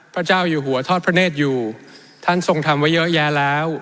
พระเจ้าอยู่หัวทอดพระเนธอยู่ท่านทรงทำไว้เยอะแยะแล้ว